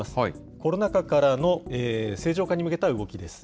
コロナ禍からの正常化に向けた動きです。